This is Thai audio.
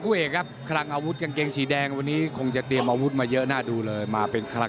ครับครับครับครับครับครับครับครับครับครับครับครับครับครับครับ